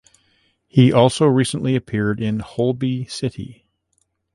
He also recently appeared in "Holby City".